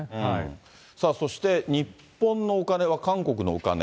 そして日本のお金は韓国のお金。